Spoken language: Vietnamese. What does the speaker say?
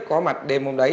có mặt đêm hôm đấy